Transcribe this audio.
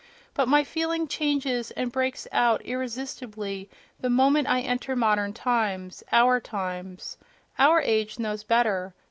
But my feeling changes and breaks out irresistibly the moment I enter modern times, our times. Our age knows better....